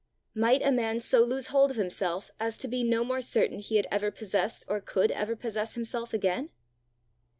Might a man so lose hold of himself as to be no more certain he had ever possessed or could ever possess himself again?